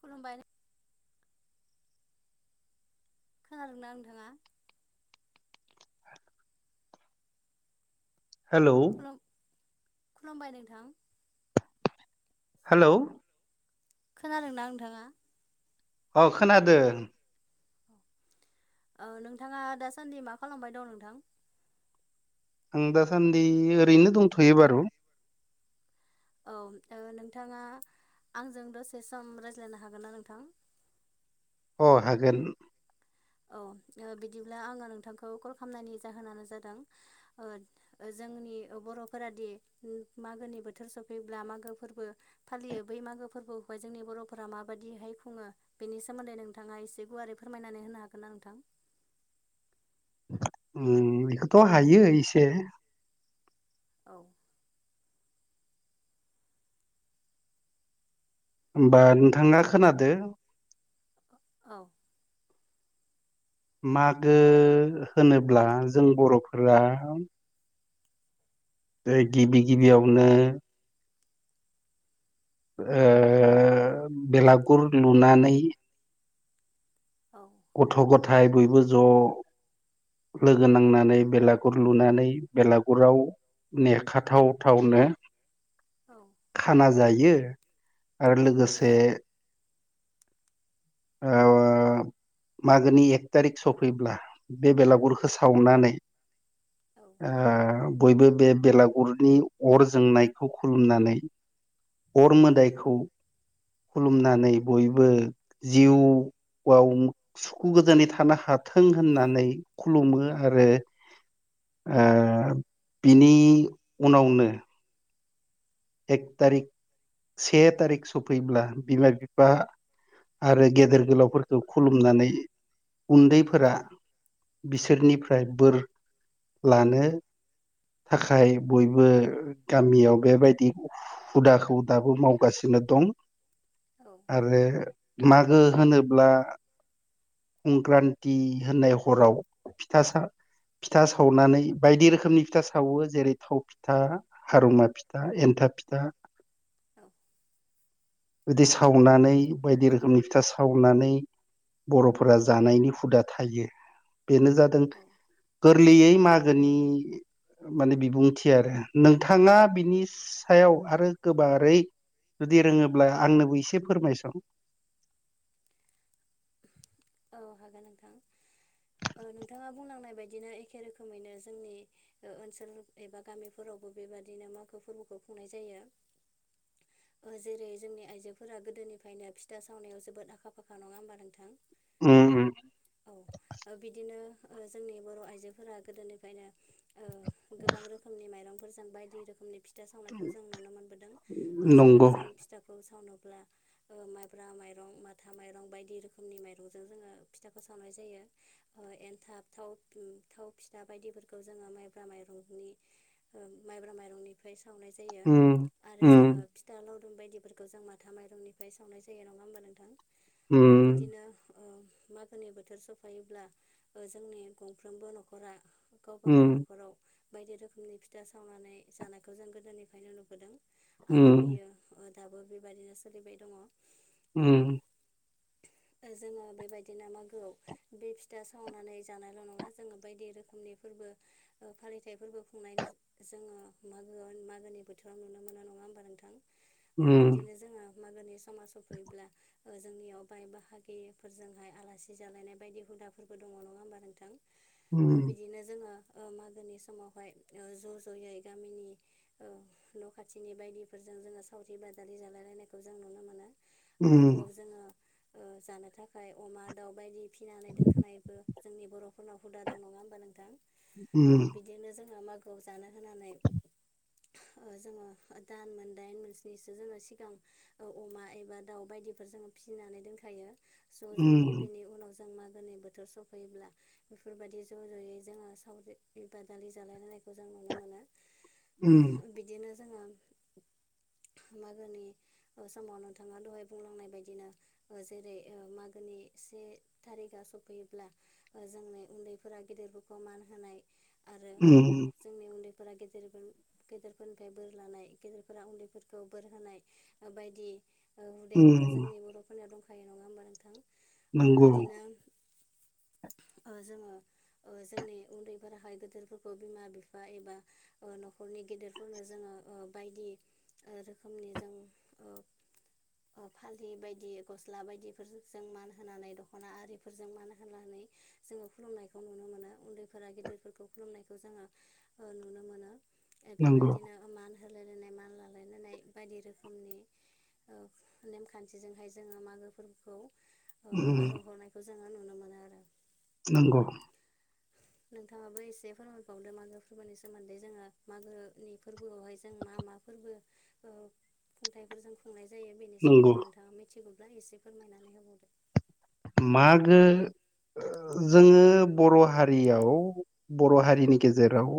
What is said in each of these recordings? खुलुमबाय खोनादोंना नोंथाङा हेलौ खुलुम खुलुमबाय नोंथां हेलौ‌ खोनादोंना नोंथाङा? औ खोनादो। ओ नोंथाङा दासान्दि मा खालामबाय दं नोंथां? आं दासान्दि ओरैनो दंथ'यो बारु औ नोंथां नोंथाङा आंजों दसे सम रायज्लायनो हागोन ना नोंथां? अ हागोन औ ओ बिदिब्ला आङो नोंथांखौ कल खालामनायनि जाहोनानो जादों ओ जोंनि ओ बर'फोरादि मागोनि बोथोर सफैयोब्ला मागो फोरबो फालियो बै मागो फोरबोखौहाय जायो। जोंनि बर'फोरा माबादिहाय खुङो बेनि सोमोन्दै नोंथाङा एसे गुवारै फोरमायनानै होनो हागोन हागोनना नोंथां उम बेखौथ' हायो एसे। औ। होमबा नोंथाङा खोनादो। औ। मागो होनोब्ला जों बर'फोरा। बे गिबि गिबियावनो ओ बेलागुर लुनानै औ गथ' गथाय बयबो ज' लोगो नांनानै बेलागुर लुनानै बेलागुराव नेखाथावथावनो औ खाना जायो औ आरो लोगोसे ओ मागोनि एक थारिख सफैब्ला बे बेलागुरखौ सावनानै औ ओ बयबो बे बेलागुरनि अर जोंनायखौ खुलुमनानै अर मोदायखौ औ खुलुमनानै बयबो जिउ आव सुखु गोजोनै थानो हाथों होननानै खुलुमो आरो ओ बिनि उनावनो एक थारिक से थारिख सफैब्ला बिमा बिफा आरो गेदेर गोलावफोरखौ खुलुमनानै उन्दैफोरा बिसोरनिफ्राय बोर लानो थाखाय बयबो गामियाव बेबायदि हुदाखौ दाबो मावगासिनो दं औ आरो मागो होनोब्ला संक्रान्ति होननाय हराव फिथासा फिथा सावनानै बायदि रोखोमनि फिथा सा सावो जेरै थाव फिथा हारुमा फिथा एन्थाब फिथा गोदै सावनानै बायदि रोखोमनि फिथा सावनानै बर'फोरा जानायनि हुदा थायो। बेनो जादों औ गोरलैयै मागोनि माने बिबुंथि आरो नोंथाङा बिनि सायाव आरो गोबारै जुदि रोङोब्ला आंनोबो एसे फोरमायस' औ हागोन नोंथां नोंथाङा बुंलांनाय बायदिनो एखे रोखोमैनो जोंनि ओनसोल एबा गामिफोराव बो बेबाददिनो मागो फोरबोखौ खुंनाय जायो। ओ जेरै जोंनि आइजोफोरा गोदोनिफ्रायनो फिथा सावनायाव जोबोद आखा फाखा नंङा होमबा नोंथां उम उम औ बिदिनो जोंनि बर' आइजोफोरा गोदोनिफ्रायनो ओ गोबां रोखोमनि माइरंफोरजों बायदि रोखोमनि फि था सावनायखौ जों नुनो मोनबोदों जेरै नंगौ जों फिथाखौ सावनो अब्ला ओ माइब्रा माइरं माथा माइरं बायदि रोखोमनि माइरंजों जोङो फिथाखौ सावनाय जायो ओ एनथाब थाव फो थाव फिथा बायदिफोरखौ जोङो माइब्रा माइरं गुबै ओं माइब्रा माइरंनिफ्राय सावनाय जायो उम आरो उम जोंहा फिथा लाव दुम बायदिफोरखौ जों माथा माइरंनिफ्राय सावनाय जायो नङा होमबा नोंथां उम बिदिनो ओ मागोनि बोथोर सफायोब्ला ओ जोंनि गंफ्रोमबो न'खरा गावबागाव उम न'खराव बायदि रोखोमनि फिथा सावनानै जानायखौ जों गोदोनिफ्रायनो नुबोदों। आरो उम बेयो दाबो बेबायदिनो सोलिबाय दङ। उम जोङो बेबायदिनो मागोआव बे फिथा संनानै जानायल' नङा जोङो बायदि रोखोमनि फोरबो ओ फालिथाय फोरबो खुंनाय जोङो मागो मागोनि बोथोराव नुनो मोनो नङा होमबा नों थां उम बिदिनो जोंहा मागोनि समा फैयोब्ला जोंनियाव बाय बाहागि बेफोरजोंहाय आलासि जालायनाय बायदि हुदाफोरबो दङ नङा होमबा नोंथां उम बिदिनो जोङो ओ मागोनि समावहाय ओ ज' ज'यै गामिनि न' खाथिनि बायदिफोरजों जों जोङो सावरि बादालि जालायलायनायखौ जों नुनो मोनो उम मागोआव जोङो जानो थाखाय अमा दाउ बायदि फिनानै दोनखानायबो जोंनि बर'फोरनाव हुदा दं नङा होमबा नोंथां ओ बिदिनो जोंहा मागोआव जानो होनानै जोङो दान मोन दाइन मोनसनिसो जोङो सिगां अमा एबा दाउ बायदि फोर जोङो फिसिनानै दोनखायो ज' ज'यै बेनि उनाव जों मा गोनि बोथोर सफैयोब्ला बेफोरबायदि ज' ज'यै जोङो सावरि बादालि जालायलायनायखौ जों नुनो मोनो उम बिदिनो जोङो मागोनि समाव नोंथाङा दहाय बुंलांनाय बायदिनो ओ जेरै ओ मागोनि से थारिकआ सफैयोब्ला ओ जोंनि उन्दैफोरा गेदेरफोरखौ मान हो होनाय आरो उम जोंनि उन्दै फोरा गेदेरखौ गेदेरफोरनिफ्राय बोर लानाय गेदेरफोरा उन्दैफोरखौ बोर होनाय ओ बायदि ओ हुदायाबोथ' उम जोंनि बर'फोरनियाव दंख ओ नंगौ बिदिनो ओ जोङो ओ जोंनि उन्दैफोराहाय गोदोरफोरखौ बिमा बिफा एबा ओ न'ख' [unintelligible] नि गेदेरफोरनो जोङो ओ बायदि रोखोमनि जों ओ ओ फालि बायदि गस ला बायदिफोरजों जों मान होनानै दख'ना आरिफोरजों मान होनानै जोङो खुलुमनायखौ नुनो मोनो उन्दैफोरा गिदिर खुलुमनायखौ जोङो ओ नुनो मोनो नंगौ बेबायदिनो मान होलायलायनाय मान लालाय लानाय बायदि रोखोमनि ओ नेमखान्थिजोंहाय जोङो मा गो फोरबोखौ ओ उम बारहो हरनायखौ जों नंगौ नोंथाङाबो एसे फोरमायबावदो मागो फोरबोनि सोमोन्दै जोङो मागोनि फोरबोआवहाय जों मा मा फोरबो ओ खुंथायफोर जों खुंनाय जायो बेनि नंगौ सोमोन्दै नोंथाङा मिथिगौब्ला एसे फोरमायनानै होबावदो। मागो ओ जोङो बर' हारियाव बर' हारिनि गेजेराव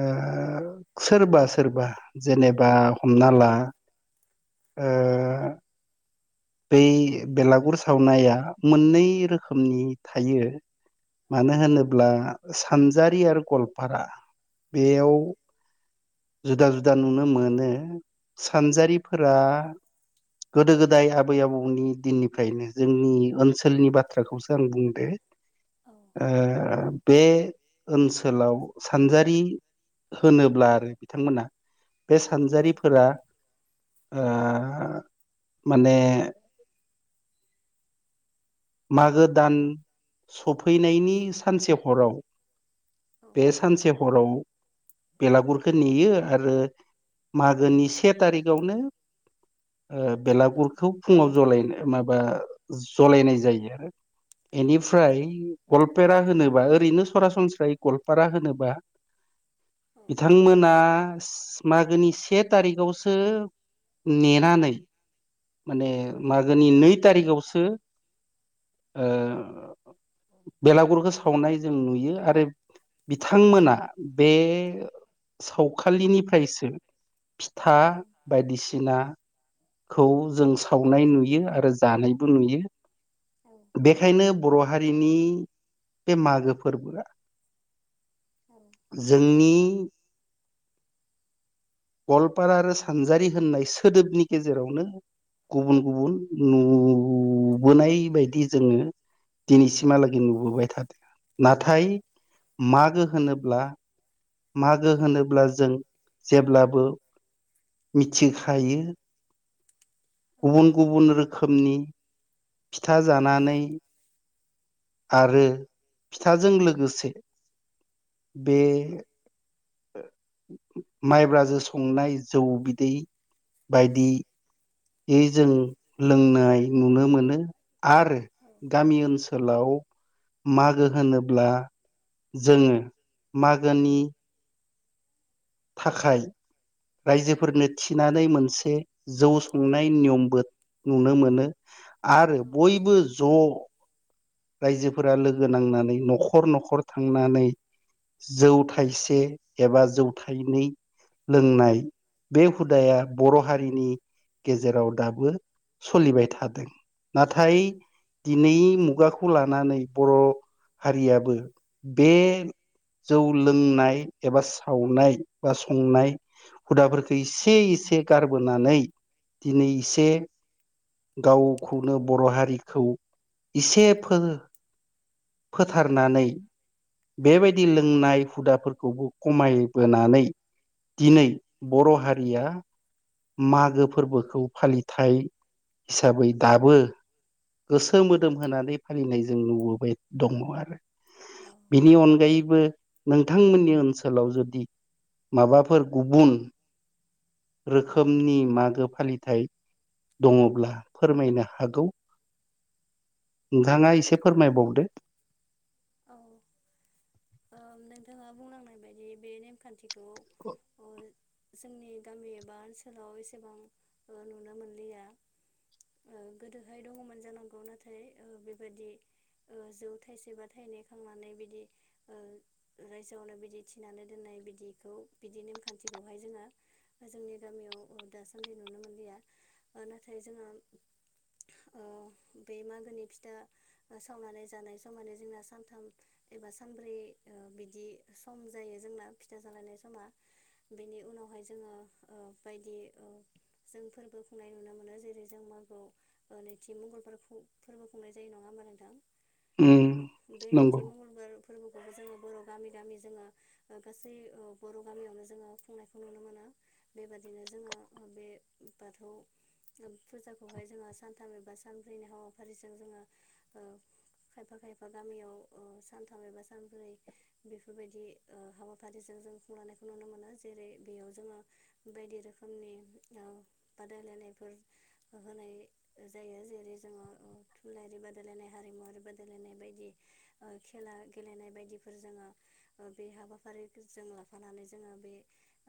ओ सोरबा-सोरबा जेनेबा हमना ला ओ बै बेलागुर सावनाया मोननै रोखोमनि थायो औ मानो होनोब्ला सानजारि आरो गवालपारा बेयाव जुदा-जुदा नुनो मोनो सानजारिफोरा गोदो गोदाय आबै आबौनि दिननिफ्रायनो जोंनि ओनसोलनि बाथ्राखौसो आं बुंदो औ ओ बे ओनसोलाव सानजारि होनोब्ला आरो बिथांमोना बे औ सानजारिफोरा ओ माने मागो दान सफैनायनि सानसे हराव बे सानसे हराव बेलागुरखो नेयो आरो मागोनि से तारिगावनो ओ बेलागुरखौ फुङाव जलाय माबा जलायनाय जायो आरो एनिफ्राय गवालपेरा होनोबा ओरैनो सरासनस्रायै गवालपारा होनोबा [inaudible] बिथांमोना [unintelligible] मागोनि से तारिगावसो नेनानै माने मागोनि नै थारिगावसो ओ बेलागुरखो सावनाय जों नुयो आरो बिथांमोना बे सावखालिनिफ्रायसो फिथा बायदिसिना खौ जों सावनाय नुयो आरो जानायबो नुयो बेखायनो बर' हारिनि बे मागो फोरबोआ जोंनि गवालपारा आरो सानजारि होननाय सोदोबनि गेजेरावनो गुबुन-गुबुन नु बोनाय बायदि जोङो दिनैसिमहालागै नुबोबाय थादो नाथाय मागो होनोब्ला मागो होनोब्ला जों जेब्लाबो मिथिखायो गुबुन गुबुन रोखोमनि फिथा जानानै आरो फिथाजों लोगोसे बे माइब्राजों संनाय जौ बिदै बायदियै औ जों लोंनाय नुनो मोनो आरो गामि ओनसोलाव मागो होनोब्ला जोङो मागोनि थाखाय औ रायजोफोरनो थिनानै मोनसे जौ संनाय नियमबो नुनो मोनो आरो बयबो ज' रायजोफोरा लोगो नांनानै न'खर न'खर थांनानै जौ थाइसे एबा जौ थायनै लोंनाय बे हुदाया बर' हारिनि गेजेराव दाबो सोलिबाय थादों। नाथाय दिनै मुगाख खौ लानानै बर' हारियाबो बे जौ लोंनाय एबा सावनाय बा संनाय हुदाफोरखौ एसे एसे गारबोनानै दिनै एसे गावखौनो बर' हारिखौ इसे फो औ फोथारनानै औ बेबायदि लोंनाय हुदा फोरखौबो खमायबोनानै दिनै बर' हारिया मागो फोरबोखौ फालिथाय हिसाबै दाबो गोसो मोदोम होनानै फालिनाय जों नुबोबाय दङ आरो। औ बिनि अनगायैबो नोंथांमोननि ओनसोलाव जुदि माबाफोर गुबुन रोखोमनि मागो फालिथाय दङब्ला फोरमायनो हागौ। नोंथाङा एसे फोरमायबावदो। औ ओ नोंथाङा बुंलांनाय बायदि बे नेमखान्थिख ख' जोंनि गामि एबा ओनसोलाव एसेबां नुनो मोनलिया। ओ गोदोहाय दङमोन जानांगौ नाथाय ओ बेबायदि ओ जौ थाइसे बा थाइनै खांनानै बिदि ओ रायजोआवनो बिदि थिनानै दोननाय बिदिखौ बिदिने नेमखान्थिखौहाय जोङो जोंनि गामियाव दासान्दि नुनो मोनलिया ओ नाथाय जोङा ओ बे मागोनि फिथा सावनानै जानाय समानो जोंना सानथाम एबा सानब्रै ओ बिदि सम जायो जोंना फिथा जालायनाय समा बेनि उनावहाय जोङो ओ बायदि ओ जों फोरबो खुंनाय नुनो मोनो जेरै जों मागोआव नैथि मंगलबार फोरबो खुंनाय जायो नङा होमबा नोंथां। उम बे नंगौ नैथि मंगलबार फोरबोख खौबो जोङो बर' गामि गामि जोङो ओ गासै ओ बर' गामियावनो जोङो खुंनायखौ नुनो मोनो। बेबादिनो जोङो ओ बे बाथौ फुजाखौहाय जोङो सानथाम एबा सानब्रैनि हाबाफारिजों जोङो ओ खायफा खायफ बा गामियाव ओ सानथाम एबा सानब्रै बेफोरबायदि ओ हाबाफारिजों जों खुंलांनायखौ नुनो मोनो जेरै बेयाव जोङो बायदि रोखोमनि ओ बादायलायनायफोर होनाय जायो। जेरै जोङो ओ थुनलाायारि बादायलायनाय, हारिमुवारि बादायलायनाय, बायद दि ओ खेला गेलेनाय बायदिफोर जोङो बे हाबाफारि जों लाफानानै जो ङो बे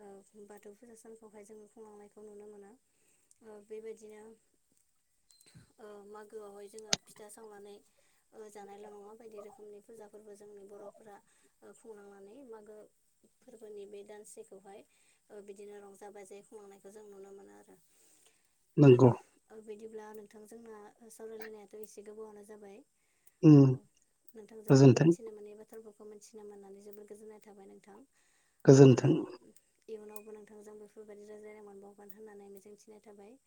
ओ बाथौ फुजा सानखौहाय जोङो खुंलांनायखौ नुनो मोनो। ओ बेबायदिनो ओ मागोआवहाय जोङो फिथा सावनानै ओ जानायल' बायदि रोखोमनि फुजा फोरबो जोंनि बर'फोरा खुंलांनानै मागो फोरबोनि बे दानसेखौहाय बिदिनो रंजा बाजायै खुंलांनायखौ जों नुनो मोनो आरो नंगौ बिदिब्ला नोंथां जोंना सावरायलायनायाथ' एसे गोबावनो जाबाय उम अ नोंथांजों गोजोन्थों मोनथिनो मोनै बाथोरफोरखौ मिथिनो मोननानै जोबोद गोजोननाय थाबाय नोंथां। आरो गोजोन्थों इयुनावबो नोंथांजों बेफोरबायदि राय्लनाय मोनबावगोन होननानै मिजिंथिनाय थाबाय।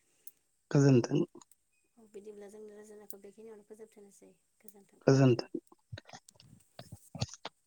गोजोनथों। औ बिदिब्ला जोंनि रायज्लायनायखौ बेखिनियावनो फोजोबथनोसै। गोजोन्थों गोजोनथों।